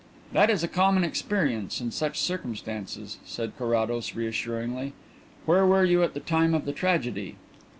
"That is a common experience in such circumstances," said Carrados reassuringly. "Where were you at the time of the tragedy?"